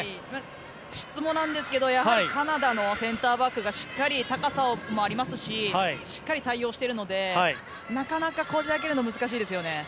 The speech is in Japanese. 質もですがやはりカナダのセンターバックが高さもありますししっかり対応しているのでなかなかこじ開けるのは難しいですよね。